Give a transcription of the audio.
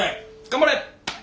頑張れ。